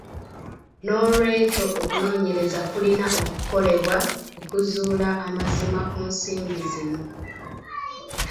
Noolwekyo okunoonyereza kulina okukolebwa okuzuula amazima ku nsimbi zino.